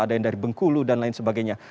ada yang dari bengkulu dan lain sebagainya